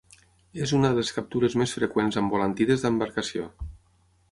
És una de les captures més freqüents amb volantí des d'embarcació.